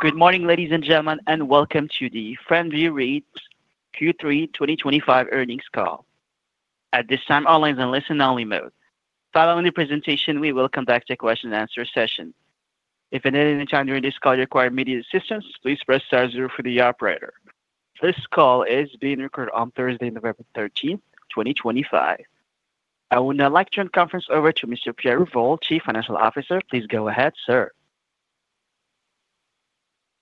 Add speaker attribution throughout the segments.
Speaker 1: Good morning, ladies and gentlemen, and welcome to the FrontView REIT Q3 2025 Carnings call. At this time, all lines are in listen-only mode. Following the presentation, we will come back to a question-and-answer session. If at any time during this call you require immediate assistance, please press *0 for the operator. This call is being recorded on Thursday, November 13, 2025. I would now like to turn the conference over to Mr. Pierre Revol, Chief Financial Officer. Please go ahead, sir.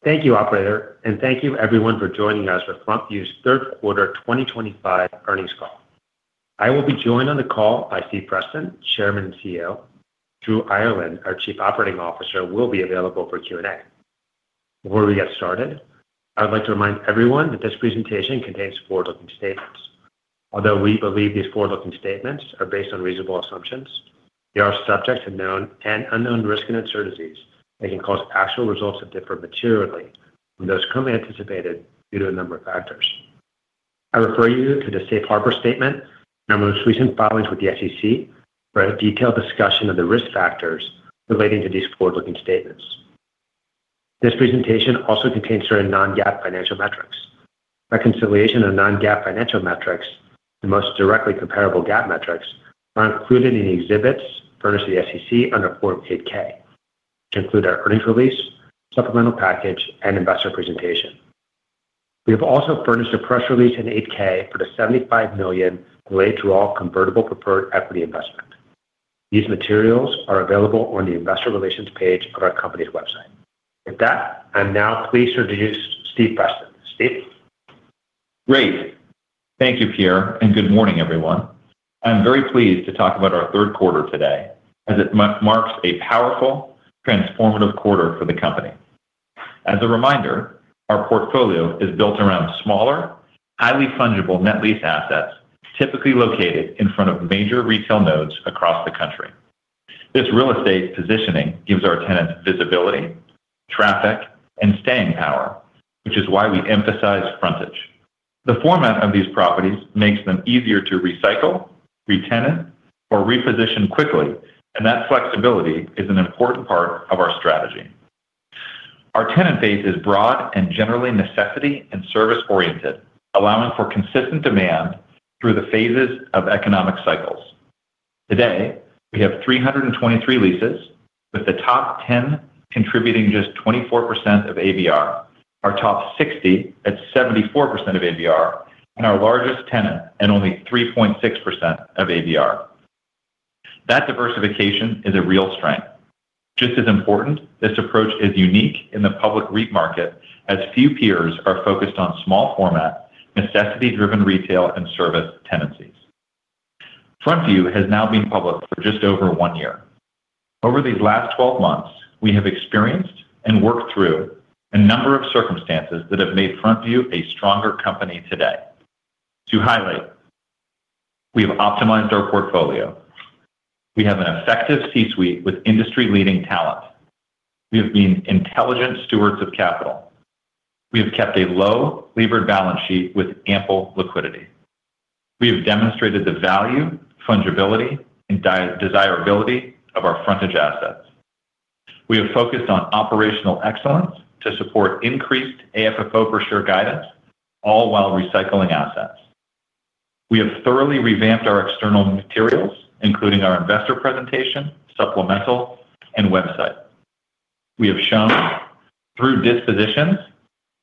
Speaker 2: Thank you, Operator, and thank you, everyone, for joining us for FrontView REIT's Third Quarter 2025 Earnings Call. I will be joined on the call by Steve Preston, Chairman and CEO. Drew Ireland, our Chief Operating Officer, will be available for Q&A. Before we get started, I would like to remind everyone that this presentation contains forward-looking statements. Although we believe these forward-looking statements are based on reasonable assumptions, they are subject to known and unknown risk and uncertainties that can cause actual results to differ materially from those currently anticipated due to a number of factors. I refer you to the Safe Harbor Statement and our most recent filings with the SEC for a detailed discussion of the risk factors relating to these forward-looking statements. This presentation also contains certain non-GAAP financial metrics. Reconciliation of non-GAAP financial metrics, the most directly comparable GAAP metrics, are included in the exhibits furnished to the SEC under Form 8-K, which include our earnings release, supplemental package, and investor presentation. We have also furnished a press release in 8-K for the $75 million delayed-draw convertible preferred equity investment. These materials are available on the investor relations page of our company's website. With that, I'm now pleased to introduce Steve Preston. Steve?
Speaker 3: Great. Thank you, Pierre, and good morning, everyone. I'm very pleased to talk about our third quarter today, as it marks a powerful, transformative quarter for the company. As a reminder, our portfolio is built around smaller, highly fungible net lease assets typically located in front of major retail nodes across the country. This real estate positioning gives our tenants visibility, traffic, and staying power, which is why we emphasize frontage. The format of these properties makes them easier to recycle, retain it, or reposition quickly, and that flexibility is an important part of our strategy. Our tenant base is broad and generally necessity and service-oriented, allowing for consistent demand through the phases of economic cycles. Today, we have 323 leases, with the top 10 contributing just 24% of ABR, our top 60 at 74% of ABR, and our largest tenant at only 3.6% of ABR. That diversification is a real strength. Just as important, this approach is unique in the public REIT market, as few peers are focused on small-format, necessity-driven retail and service tenancies. FrontView has now been public for just over one year. Over these last 12 months, we have experienced and worked through a number of circumstances that have made FrontView a stronger company today. To highlight, we have optimized our portfolio. We have an effective C-suite with industry-leading talent. We have been intelligent stewards of capital. We have kept a low levered balance sheet with ample liquidity. We have demonstrated the value, fungibility, and desirability of our frontage assets. We have focused on operational excellence to support increased AFFO for sure guidance, all while recycling assets. We have thoroughly revamped our external materials, including our investor presentation, supplemental, and website. We have shown through dispositions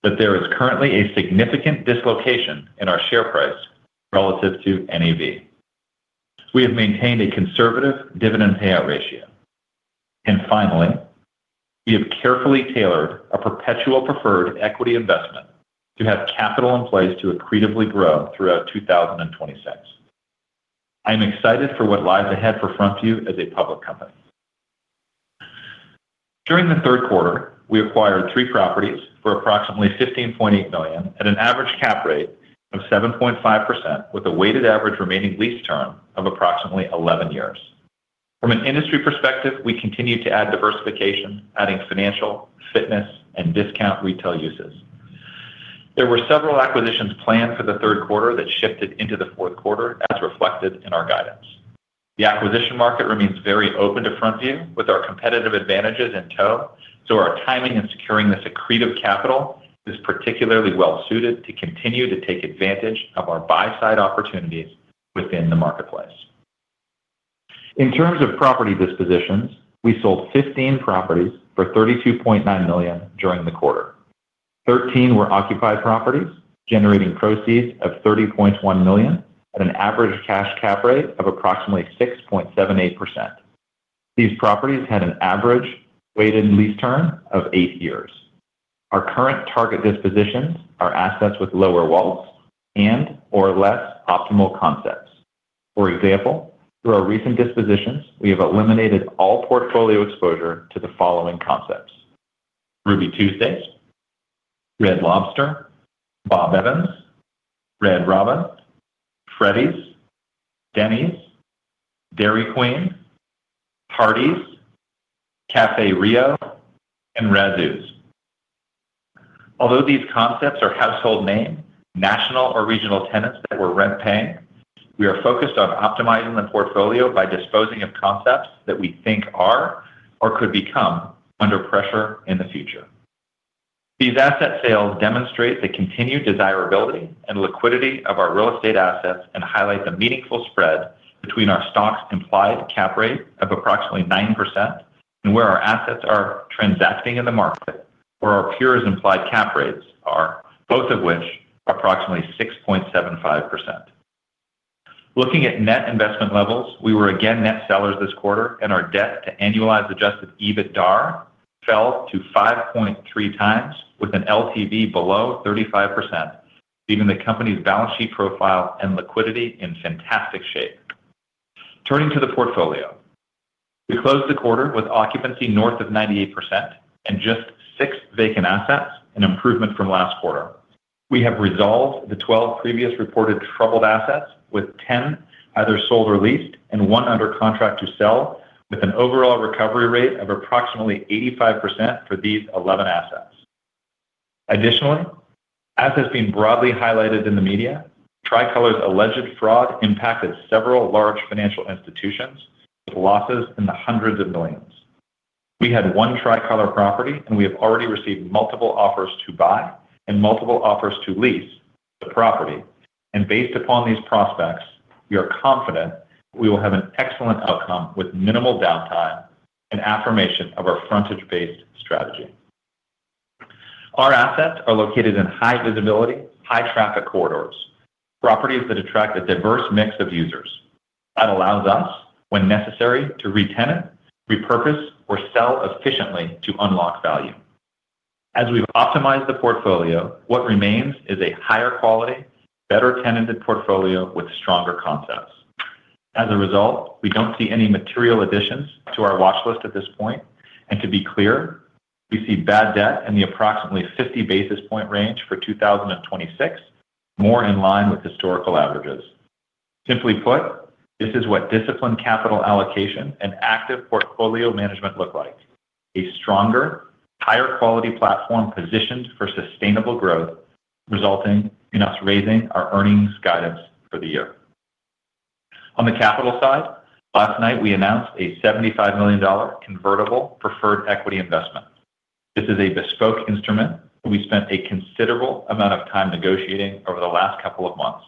Speaker 3: that there is currently a significant dislocation in our share price relative to NAV. We have maintained a conservative dividend payout ratio. Finally, we have carefully tailored a perpetual preferred equity investment to have capital in place to accretively grow throughout 2026. I am excited for what lies ahead for FrontView as a public company. During the third quarter, we acquired three properties for approximately $15.8 million at an average cap rate of 7.5%, with a weighted average remaining lease term of approximately 11 years. From an industry perspective, we continue to add diversification, adding financial, fitness, and discount retail uses. There were several acquisitions planned for the third quarter that shifted into the fourth quarter, as reflected in our guidance. The acquisition market remains very open to FrontView, with our competitive advantages in tow, so our timing in securing this accretive capital is particularly well-suited to continue to take advantage of our buy-side opportunities within the marketplace. In terms of property dispositions, we sold 15 properties for $32.9 million during the quarter. Thirteen were occupied properties, generating proceeds of $30.1 million at an average cash cap rate of approximately 6.78%. These properties had an average weighted lease term of eight years. Our current target dispositions are assets with lower WALTs and/or less optimal concepts. For example, through our recent dispositions, we have eliminated all portfolio exposure to the following concepts: Ruby Tuesday, Red Lobster, Bob Evans, Red Robin, Freddy's, Denny's, Dairy Queen, Hardee's, Café Rio, and Razzoos. Although these concepts are household names, national or regional tenants that were rent-paying, we are focused on optimizing the portfolio by disposing of concepts that we think are or could become under pressure in the future. These asset sales demonstrate the continued desirability and liquidity of our real estate assets and highlight the meaningful spread between our stock's implied cap rate of approximately 9% and where our assets are transacting in the market, where our peers' implied cap rates are, both of which are approximately 6.75%. Looking at net investment levels, we were again net sellers this quarter, and our debt to annualized adjusted EBITDA fell to 5.3 times, with an LTV below 35%, leaving the company's balance sheet profile and liquidity in fantastic shape. Turning to the portfolio, we closed the quarter with occupancy north of 98% and just six vacant assets, an improvement from last quarter. We have resolved the 12 previously reported troubled assets, with 10 either sold or leased, and one under contract to sell, with an overall recovery rate of approximately 85% for these 11 assets. Additionally, as has been broadly highlighted in the media, Tricolor's alleged fraud impacted several large financial institutions, with losses in the hundreds of millions. We had one Tricolor property, and we have already received multiple offers to buy and multiple offers to lease the property. Based upon these prospects, we are confident we will have an excellent outcome with minimal downtime and affirmation of our frontage-based strategy. Our assets are located in high-visibility, high-traffic corridors, properties that attract a diverse mix of users. That allows us, when necessary, to retain it, repurpose, or sell efficiently to unlock value. As we've optimized the portfolio, what remains is a higher-quality, better-tenanted portfolio with stronger concepts. As a result, we do not see any material additions to our watchlist at this point. To be clear, we see bad debt in the approximately 50 basis point range for 2026, more in line with historical averages. Simply put, this is what disciplined capital allocation and active portfolio management look like: a stronger, higher-quality platform positioned for sustainable growth, resulting in us raising our earnings guidance for the year. On the capital side, last night we announced a $75 million convertible preferred equity investment. This is a bespoke instrument that we spent a considerable amount of time negotiating over the last couple of months.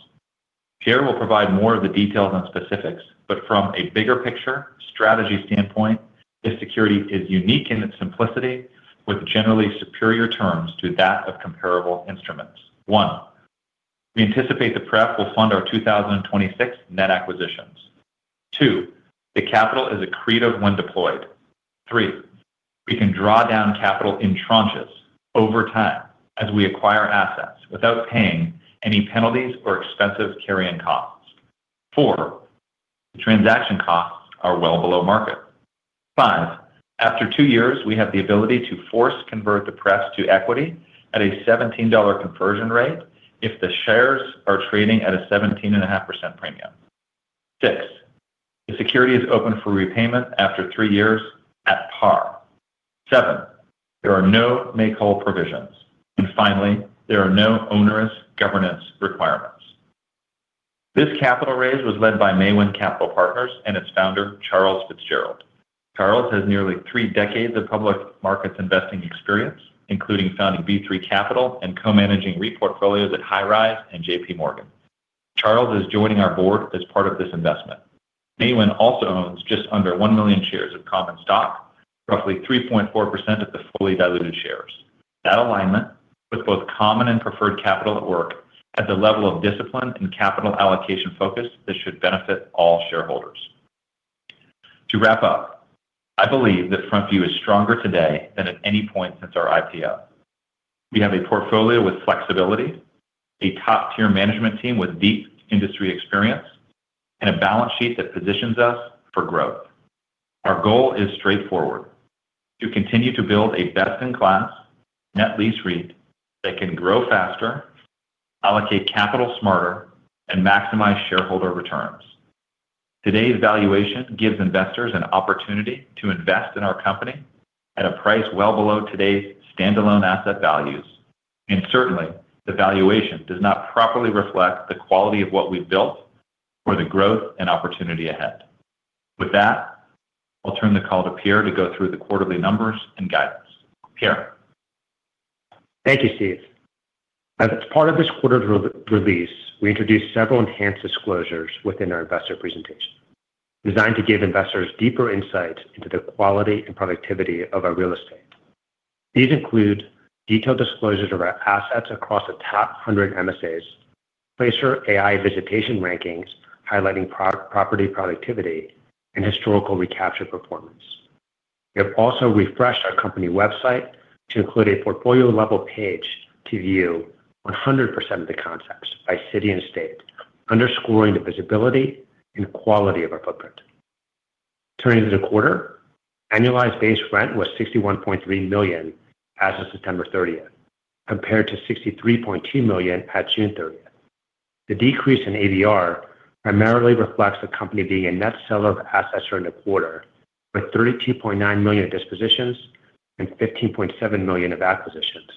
Speaker 3: Pierre will provide more of the details and specifics, but from a bigger picture, strategy standpoint, this security is unique in its simplicity, with generally superior terms to that of comparable instruments. One, we anticipate the pref will fund our 2026 net acquisitions. Two, the capital is accretive when deployed. Three, we can draw down capital in tranches over time as we acquire assets without paying any penalties or expensive carrying costs. Four, the transaction costs are well below market. Five, after two years, we have the ability to force convert the pref to equity at a $17 conversion rate if the shares are trading at a 17.5% premium. Six, the security is open for repayment after three years at par. Seven, there are no make-whole provisions. Finally, there are no onerous governance requirements. This capital raise was led by Maewyn Capital Partners and its founder, Charles Fitzgerald. Charles has nearly three decades of public markets investing experience, including founding V3 Capital and co-managing REIT portfolios at High Rise and JPMorgan. Charles is joining our board as part of this investment. Maewyn also owns just under 1 million shares of common stock, roughly 3.4% of the fully diluted shares. That alignment with both common and preferred capital at work has a level of discipline and capital allocation focus that should benefit all shareholders. To wrap up, I believe that FrontView is stronger today than at any point since our IPO. We have a portfolio with flexibility, a top-tier management team with deep industry experience, and a balance sheet that positions us for growth. Our goal is straightforward: to continue to build a best-in-class net lease REIT that can grow faster, allocate capital smarter, and maximize shareholder returns. Today's valuation gives investors an opportunity to invest in our company at a price well below today's standalone asset values. Certainly, the valuation does not properly reflect the quality of what we've built or the growth and opportunity ahead. With that, I'll turn the call to Pierre to go through the quarterly numbers and guidance. Pierre?
Speaker 2: Thank you, Steve. As part of this quarter's release, we introduced several enhanced disclosures within our investor presentation, designed to give investors deeper insight into the quality and productivity of our real estate. These include detailed disclosures of our assets across the top 100 MSAs, Placer.ai visitation rankings, highlighting property productivity and historical recapture performance. We have also refreshed our company website to include a portfolio-level page to view 100% of the concepts by city and state, underscoring the visibility and quality of our footprint. Turning to the quarter, annualized base rent was $61.3 million as of September 30, compared to $63.2 million at June 30. The decrease in ABR primarily reflects the company being a net seller of assets during the quarter, with $32.9 million of dispositions and $15.7 million of acquisitions.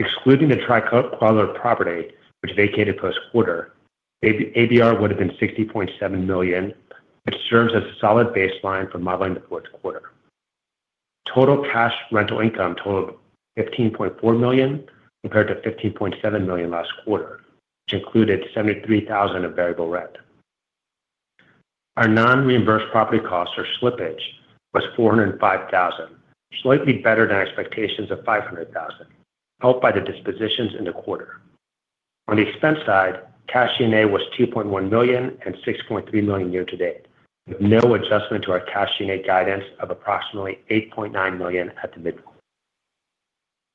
Speaker 2: Excluding the Tricolor property, which vacated post-quarter, ABR would have been $60.7 million, which serves as a solid baseline for modeling the fourth quarter. Total cash rental income totaled $15.4 million, compared to $15.7 million last quarter, which included $73,000 of variable rent. Our non-reimbursed property costs or slippage was $405,000, slightly better than expectations of $500,000, helped by the dispositions in the quarter. On the expense side, cash G&A was $2.1 million and $6.3 million year-to-date, with no adjustment to our cash G&A guidance of approximately $8.9 million at the mid-quarter.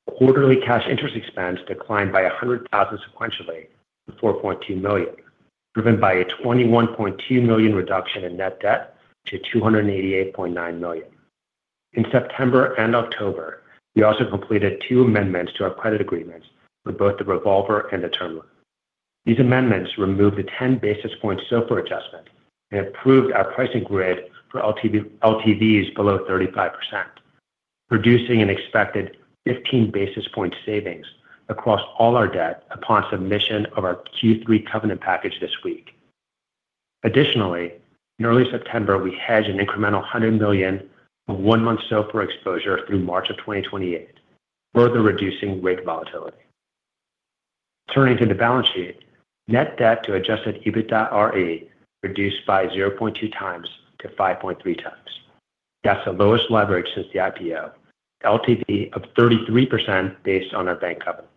Speaker 2: Quarterly cash interest expense declined by $100,000 sequentially to $4.2 million, driven by a $21.2 million reduction in net debt to $288.9 million. In September and October, we also completed two amendments to our credit agreements for both the revolver and the terminal. These amendments removed the 10 basis point SOFR adjustment and improved our pricing grid for LTVs below 35%, producing an expected 15 basis point savings across all our debt upon submission of our Q3 covenant package this week. Additionally, in early September, we hedged an incremental $100 million of one-month SOFR exposure through March of 2028, further reducing REIT volatility. Turning to the balance sheet, net debt to adjusted EBITDAre reduced by 0.2 times to 5.3 times. That's the lowest leverage since the IPO, LTV of 33% based on our bank covenants.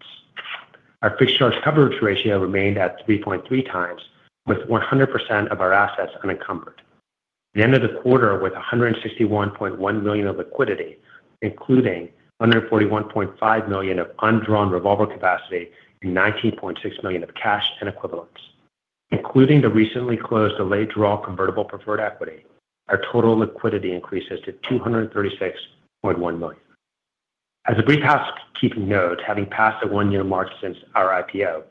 Speaker 2: Our fixed charge coverage ratio remained at 3.3 times, with 100% of our assets unencumbered. At the end of the quarter, with $161.1 million of liquidity, including $141.5 million of undrawn revolver capacity and $19.6 million of cash and equivalents. Including the recently closed delayed draw convertible preferred equity, our total liquidity increases to $236.1 million. As a brief housekeeping note, having passed the one-year mark since our IPO,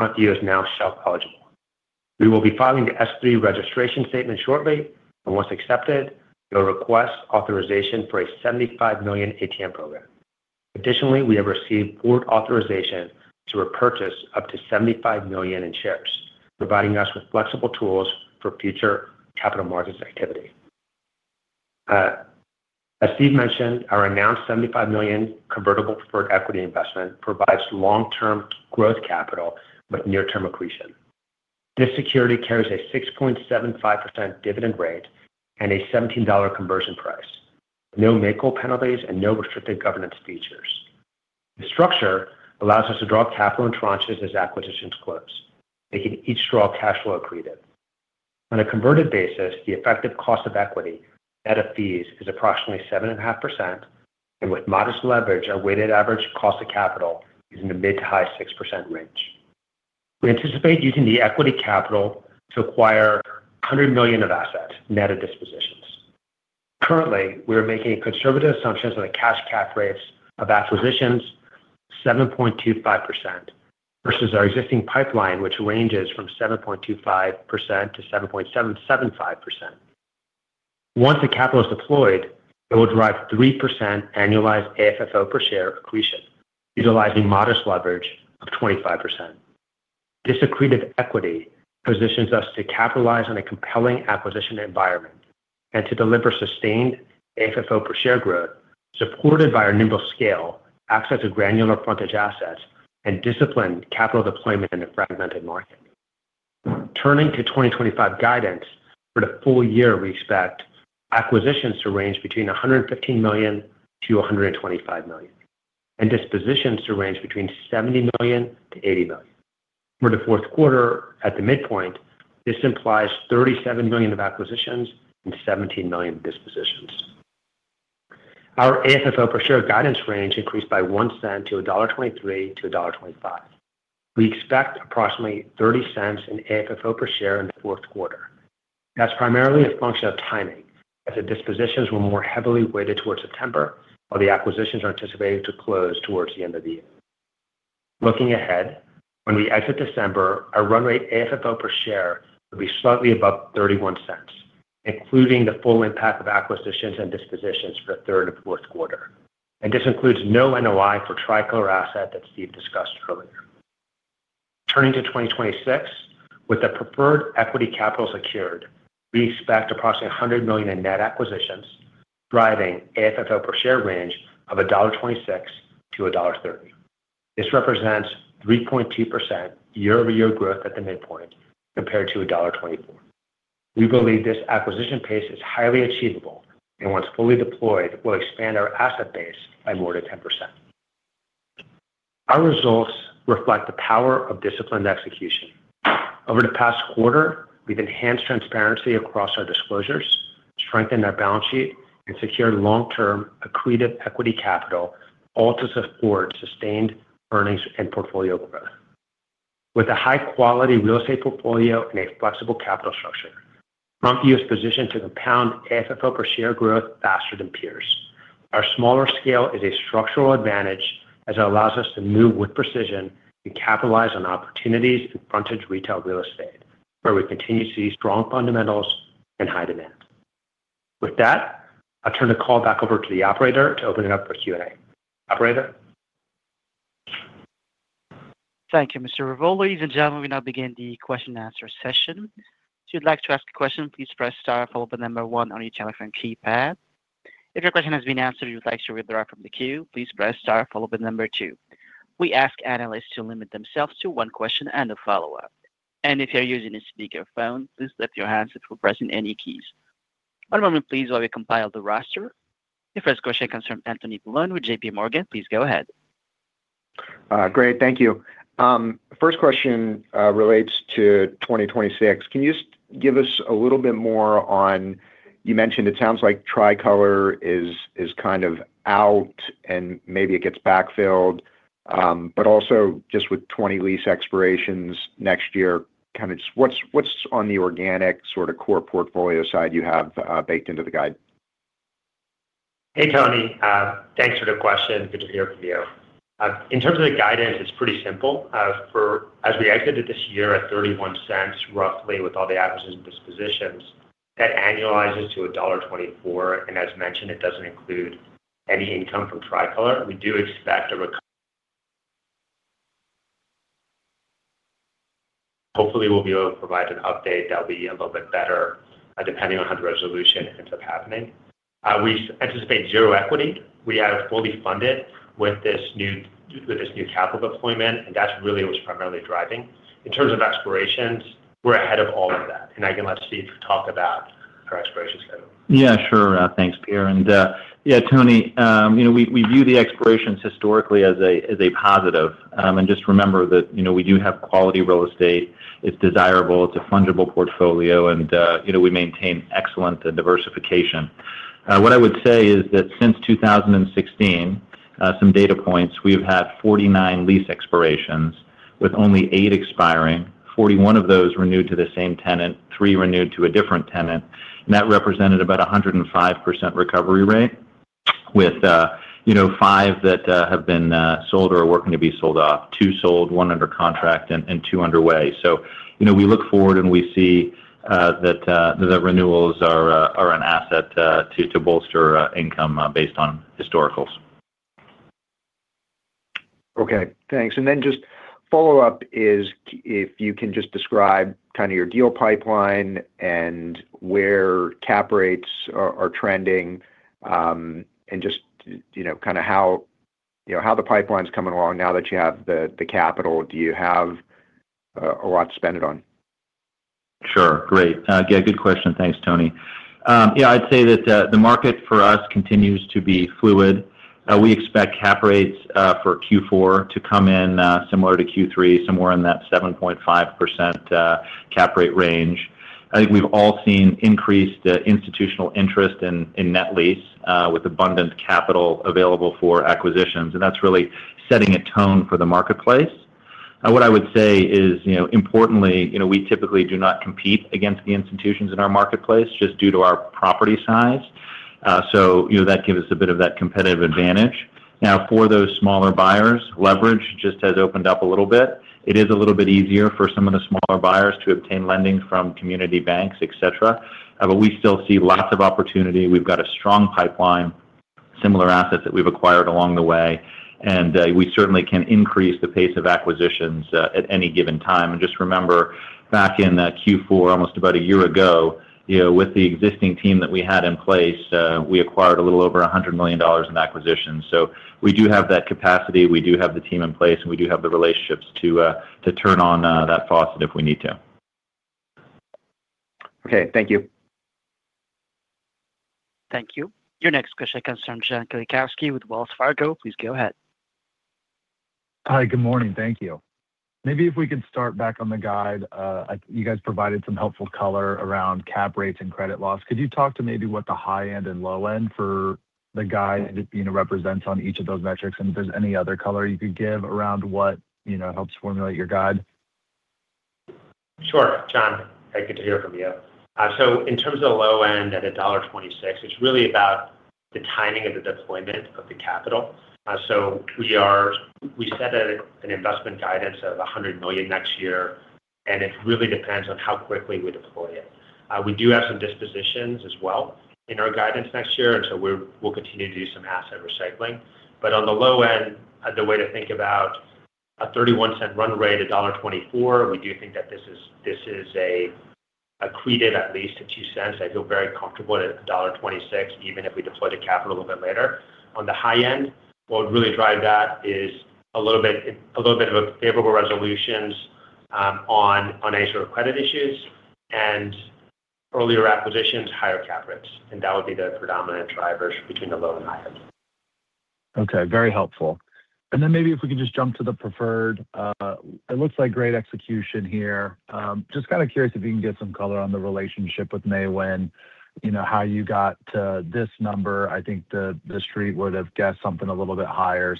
Speaker 2: FrontView is now shelf-eligible. We will be filing the S3 registration statement shortly, and once accepted, we'll request authorization for a $75 million ATM program. Additionally, we have received board authorization to repurchase up to $75 million in shares, providing us with flexible tools for future capital markets activity. As Steve mentioned, our announced $75 million convertible preferred equity investment provides long-term growth capital with near-term accretion. This security carries a 6.75% dividend rate and a $17 conversion price, with no make-hole penalties and no restricted governance features. The structure allows us to draw capital in tranches as acquisitions close, making each draw cash flow accretive. On a converted basis, the effective cost of equity net of fees is approximately 7.5%, and with modest leverage, our weighted average cost of capital is in the mid to high 6% range. We anticipate using the equity capital to acquire $100 million of assets net of dispositions. Currently, we are making conservative assumptions on the cash cap rates of acquisitions, 7.25%, versus our existing pipeline, which ranges from 7.25%-7.75%. Once the capital is deployed, it will drive 3% annualized AFFO per share accretion, utilizing modest leverage of 25%. This accretive equity positions us to capitalize on a compelling acquisition environment and to deliver sustained AFFO per share growth, supported by our nimble scale, access to granular frontage assets, and disciplined capital deployment in a fragmented market. Turning to 2025 guidance for the full year, we expect acquisitions to range between $115 million-$125 million, and dispositions to range between $70 million-$80 million. For the fourth quarter, at the midpoint, this implies $37 million of acquisitions and $17 million of dispositions. Our AFFO per share guidance range increased by $0.01 to $1.23-$1.25. We expect approximately $0.30 in AFFO per share in the fourth quarter. That's primarily a function of timing, as the dispositions were more heavily weighted towards September, while the acquisitions are anticipated to close towards the end of the year. Looking ahead, when we exit December, our run rate AFFO per share will be slightly above $0.31, including the full impact of acquisitions and dispositions for the third and fourth quarter. This includes no NOI for the Tricolor asset that Steve discussed earlier. Turning to 2026, with the preferred equity capital secured, we expect approximately $100 million in net acquisitions, driving AFFO per share range of $1.26-$1.30. This represents 3.2% year-over-year growth at the midpoint compared to $1.24. We believe this acquisition pace is highly achievable, and once fully deployed, we'll expand our asset base by more than 10%. Our results reflect the power of disciplined execution. Over the past quarter, we've enhanced transparency across our disclosures, strengthened our balance sheet, and secured long-term accretive equity capital, all to support sustained earnings and portfolio growth. With a high-quality real estate portfolio and a flexible capital structure, FrontView is positioned to compound AFFO per share growth faster than peers. Our smaller scale is a structural advantage, as it allows us to move with precision and capitalize on opportunities in frontage retail real estate, where we continue to see strong fundamentals and high demand. With that, I'll turn the call back over to the operator to open it up for Q&A. Operator?
Speaker 1: Thank you, Mr. Revol. Ladies and gentlemen, we now begin the question-and-answer session. If you'd like to ask a question, please press star followed by number one on your telephone keypad. If your question has been answered, you'd like to withdraw it from the queue, please press star followed by number two. We ask analysts to limit themselves to one question and a follow-up. If you're using a speakerphone, please lift your handset before pressing any keys. One moment, please, while we compile the roster. The first question concerns Anthony Paolone with JPMorgan. Please go ahead.
Speaker 4: Great. Thank you. First question relates to 2026. Can you just give us a little bit more on, you mentioned it sounds like Tricolor is kind of out and maybe it gets backfilled, but also just with 20 lease expirations next year, kind of just what's on the organic sort of core portfolio side you have baked into the guide?
Speaker 2: Hey, Tony. Thanks for the question. Good to be here with you. In terms of the guidance, it's pretty simple. As we exited this year at $0.31 roughly with all the acquisitions and dispositions, that annualizes to $1.24. As mentioned, it doesn't include any income from Tricolor. We do expect a recovery. Hopefully, we'll be able to provide an update that'll be a little bit better depending on how the resolution ends up happening. We anticipate zero equity. We have fully funded with this new capital deployment, and that's really what's primarily driving. In terms of expirations, we're ahead of all of that. I can let Steve talk about our expirations.
Speaker 3: Yeah, sure. Thanks, Pierre. Yeah, Tony, we view the expirations historically as a positive. Just remember that we do have quality real estate. It is desirable. It is a fungible portfolio. We maintain excellent diversification. What I would say is that since 2016, some data points, we have had 49 lease expirations with only 8 expiring, 41 of those renewed to the same tenant, 3 renewed to a different tenant. That represented about a 105% recovery rate, with 5 that have been sold or are working to be sold off, 2 sold, 1 under contract, and 2 underway. We look forward and we see that the renewals are an asset to bolster income based on historicals. Okay. Thanks.
Speaker 4: Just a follow-up is if you can just describe kind of your deal pipeline and where cap rates are trending and just kind of how the pipeline's coming along now that you have the capital. Do you have a lot to spend it on?
Speaker 3: Sure. Great. Yeah, good question. Thanks, Tony. Yeah, I'd say that the market for us continues to be fluid. We expect cap rates for Q4 to come in similar to Q3, somewhere in that 7.5% cap rate range. I think we've all seen increased institutional interest in net lease with abundant capital available for acquisitions. That is really setting a tone for the marketplace. What I would say is, importantly, we typically do not compete against the institutions in our marketplace just due to our property size. That gives us a bit of that competitive advantage. Now, for those smaller buyers, leverage just has opened up a little bit. It is a little bit easier for some of the smaller buyers to obtain lending from community banks, etc. We still see lots of opportunity. We've got a strong pipeline, similar assets that we've acquired along the way. We certainly can increase the pace of acquisitions at any given time. Just remember, back in Q4, almost about a year ago, with the existing team that we had in place, we acquired a little over $100 million in acquisitions. We do have that capacity. We do have the team in place, and we do have the relationships to turn on that faucet if we need to.
Speaker 4: Okay. Thank you.
Speaker 1: Thank you. Your next question concerns John Kellichoski with Wells Fargo. Please go ahead.
Speaker 5: Hi. Good morning. Thank you. Maybe if we could start back on the guide. You guys provided some helpful color around cap rates and credit loss. Could you talk to maybe what the high end and low end for the guide represents on each of those metrics? If there's any other color you could give around what helps formulate your guide?
Speaker 2: Sure. John, great to hear from you. In terms of the low end at $1.26, it is really about the timing of the deployment of the capital. We set an investment guidance of $100 million next year, and it really depends on how quickly we deploy it. We do have some dispositions as well in our guidance next year, and we will continue to do some asset recycling. On the low end, the way to think about a $0.31 run rate at $1.24, we do think that this is accretive at least to $0.02. I feel very comfortable at $1.26, even if we deploy the capital a little bit later. On the high end, what would really drive that is a little bit of favorable resolutions on any sort of credit issues and earlier acquisitions, higher cap rates. That would be the predominant drivers between the low and high end.
Speaker 5: Okay. Very helpful. Maybe if we could just jump to the preferred. It looks like great execution here. Just kind of curious if you can get some color on the relationship with Maewyn, how you got to this number. I think the street would have guessed something a little bit higher.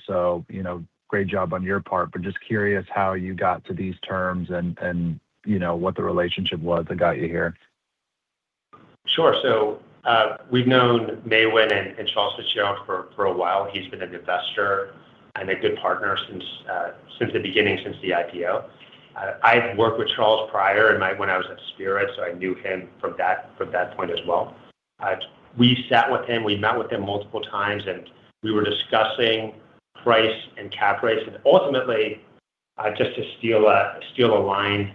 Speaker 5: Great job on your part, but just curious how you got to these terms and what the relationship was that got you here?
Speaker 2: Sure. We've known Maewyn and Charles Fitzgerald for a while. He's been an investor and a good partner since the beginning, since the IPO. I've worked with Charles prior when I was at Spirit, so I knew him from that point as well. We sat with him. We met with him multiple times, and we were discussing price and cap rates. Ultimately, just to steal a line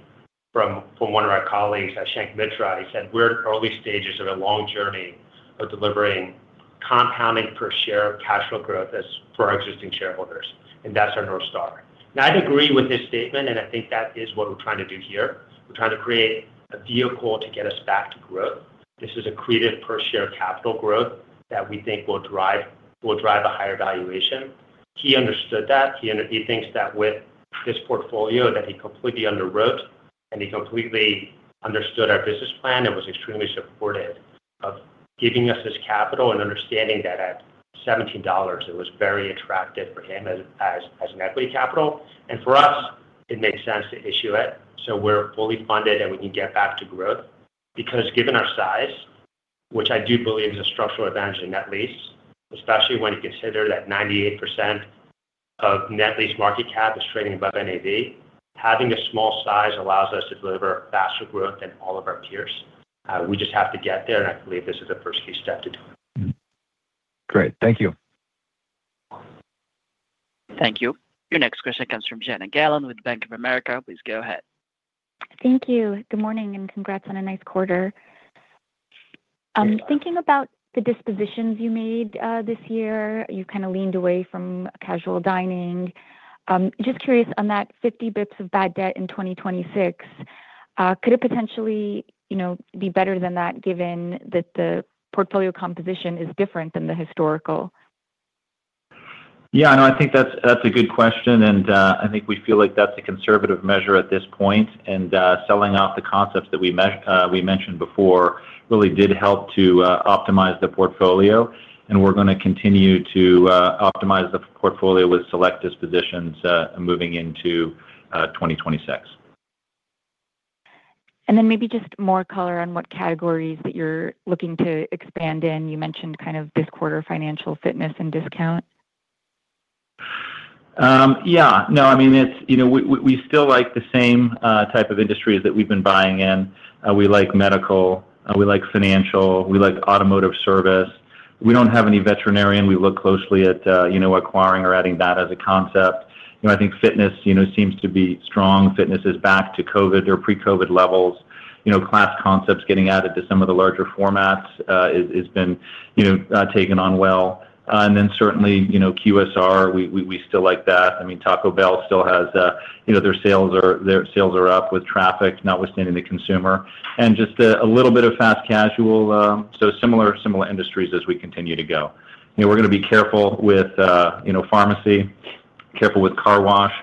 Speaker 2: from one of our colleagues, Shankh Mitra, he said, "We're in early stages of a long journey of delivering compounding per share of cash flow growth for our existing shareholders, and that's our North Star." I'd agree with his statement, and I think that is what we're trying to do here. We're trying to create a vehicle to get us back to growth. This is accretive per share capital growth that we think will drive a higher valuation. He understood that. He thinks that with this portfolio that he completely underwrote and he completely understood our business plan and was extremely supportive of giving us this capital and understanding that at $17, it was very attractive for him as an equity capital. For us, it makes sense to issue it so we're fully funded and we can get back to growth. Given our size, which I do believe is a structural advantage in net lease, especially when you consider that 98% of net lease market cap is trading above NAV, having a small size allows us to deliver faster growth than all of our peers. We just have to get there, and I believe this is the first key step to do it.
Speaker 4: Great. Thank you.
Speaker 1: Thank you. Your next question comes from Jana Galan with Bank of America. Please go ahead.
Speaker 6: Thank you. Good morning and congrats on a nice quarter. Thinking about the dispositions you made this year, you kind of leaned away from casual dining. Just curious on that 50 bps of bad debt in 2026, could it potentially be better than that given that the portfolio composition is different than the historical?
Speaker 3: Yeah. No, I think that's a good question. I think we feel like that's a conservative measure at this point. Selling off the concepts that we mentioned before really did help to optimize the portfolio. We're going to continue to optimize the portfolio with select dispositions moving into 2026.
Speaker 6: Maybe just more color on what categories that you're looking to expand in. You mentioned kind of this quarter financial fitness and discount.
Speaker 3: Yeah. No, I mean, we still like the same type of industries that we've been buying in. We like medical. We like financial. We like automotive service. We don't have any veterinarian. We look closely at acquiring or adding that as a concept. I think fitness seems to be strong. Fitness is back to COVID or pre-COVID levels. Class concepts getting added to some of the larger formats has been taken on well. Certainly QSR, we still like that. I mean, Taco Bell still has their sales are up with traffic, notwithstanding the consumer. And just a little bit of fast casual, so similar industries as we continue to go. We're going to be careful with pharmacy, careful with car wash,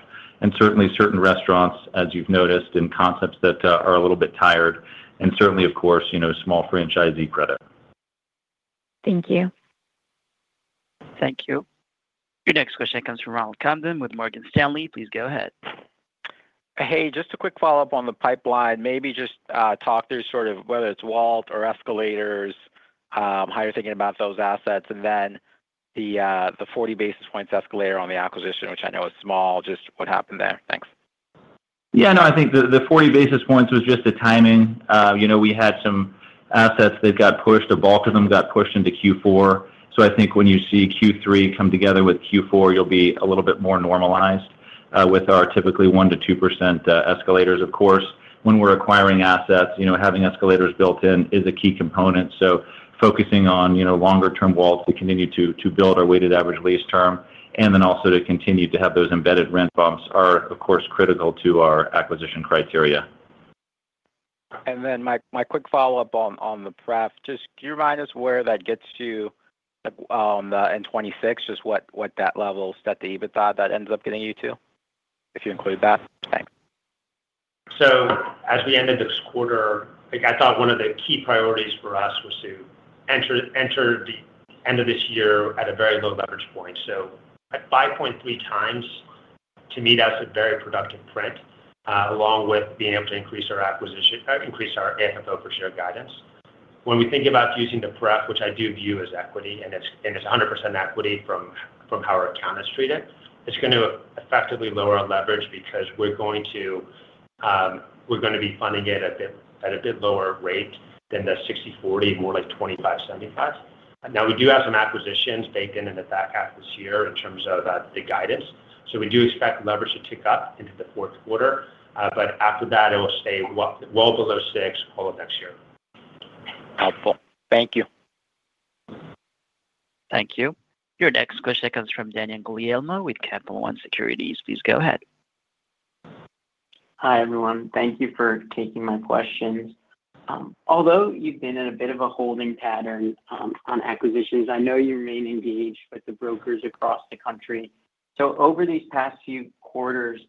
Speaker 3: and certainly certain restaurants, as you've noticed, and concepts that are a little bit tired. Certainly, of course, small franchisee credit.
Speaker 6: Thank you.
Speaker 1: Thank you. Your next question comes from Ronald Kamdem with Morgan Stanley. Please go ahead.
Speaker 7: Hey, just a quick follow-up on the pipeline. Maybe just talk through sort of whether it's WALT or escalators, how you're thinking about those assets, and then the 40 basis points escalator on the acquisition, which I know is small. Just what happened there? Thanks.
Speaker 8: Yeah. No, I think the 40 basis points was just the timing. We had some assets that got pushed. A bulk of them got pushed into Q4. I think when you see Q3 come together with Q4, you'll be a little bit more normalized with our typically 1-2% escalators. Of course, when we're acquiring assets, having escalators built in is a key component. Focusing on longer-term walls to continue to build our weighted average lease term and then also to continue to have those embedded rent bumps are, of course, critical to our acquisition criteria.
Speaker 7: My quick follow-up on the prep. Just do you remind us where that gets to in '26, just what that level set the EBITDA that ends up getting you to if you include that? Thanks.
Speaker 2: As we ended this quarter, I thought one of the key priorities for us was to enter the end of this year at a very low leverage point. At 5.3 times, to me, that's a very productive print along with being able to increase our AFFO per share guidance. When we think about using the prep, which I do view as equity, and it's 100% equity from how our account is treated, it's going to effectively lower our leverage because we're going to be funding it at a bit lower rate than the 60-40, more like 25-75. Now, we do have some acquisitions baked in in the back half of this year in terms of the guidance. We do expect leverage to tick up into the fourth quarter. After that, it will stay well below 6 all of next year.
Speaker 7: Helpful. Thank you.
Speaker 1: Thank you. Your next question comes from Daniel Guglielmo with Capital One Securities. Please go ahead.
Speaker 9: Hi everyone. Thank you for taking my questions. Although you've been in a bit of a holding pattern on acquisitions, I know you remain engaged with the brokers across the country. Over these past few quarters,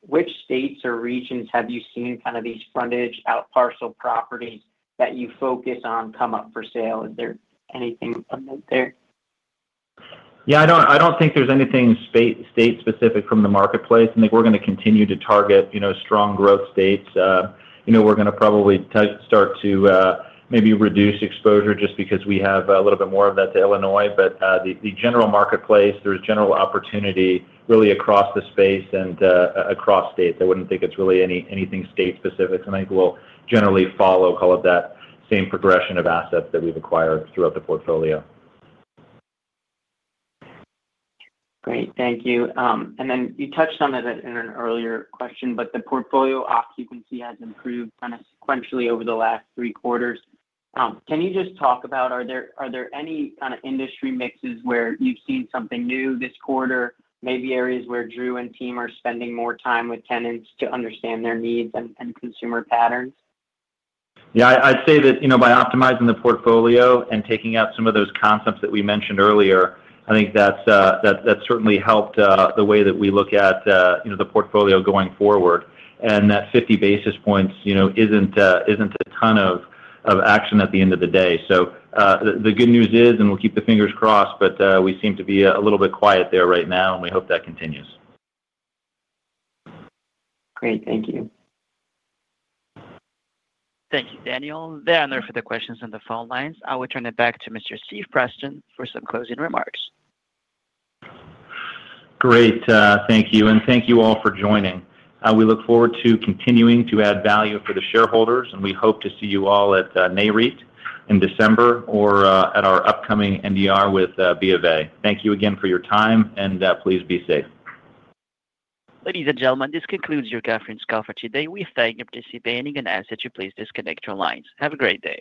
Speaker 9: which states or regions have you seen kind of these frontage outparcel properties that you focus on come up for sale? Is there anything of note there?
Speaker 3: Yeah. I don't think there's anything state-specific from the marketplace. I think we're going to continue to target strong growth states. We're going to probably start to maybe reduce exposure just because we have a little bit more of that to Illinois. The general marketplace, there's general opportunity really across the space and across states. I wouldn't think it's really anything state-specific. I think we'll generally follow kind of that same progression of assets that we've acquired throughout the portfolio.
Speaker 9: Great. Thank you. You touched on it in an earlier question, but the portfolio occupancy has improved kind of sequentially over the last three quarters. Can you just talk about are there any kind of industry mixes where you've seen something new this quarter, maybe areas where Drew and team are spending more time with tenants to understand their needs and consumer patterns?
Speaker 3: Yeah. I'd say that by optimizing the portfolio and taking out some of those concepts that we mentioned earlier, I think that's certainly helped the way that we look at the portfolio going forward. That 50 basis points isn't a ton of action at the end of the day. The good news is, and we'll keep the fingers crossed, but we seem to be a little bit quiet there right now, and we hope that continues.
Speaker 9: Great. Thank you.
Speaker 1: Thank you, Daniel. There are no further questions on the phone lines. I will turn it back to Mr. Steve Preston for some closing remarks.
Speaker 3: Great. Thank you. Thank you all for joining. We look forward to continuing to add value for the shareholders, and we hope to see you all at NAREIT in December or at our upcoming NDR with Bank of America. Thank you again for your time, and please be safe.
Speaker 1: Ladies and gentlemen, this concludes your conference call for today. We thank you for participating and ask that you please disconnect your lines. Have a great day.